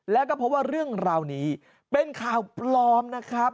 แล้วก็เพราะว่าเรื่องราวนี้เป็นข่าวปลอมนะครับ